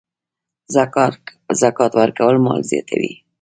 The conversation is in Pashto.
زکات ورکول مال زیاتوي.